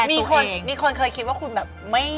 มีคนมีคนเคยคิดว่าคุณแบบไม่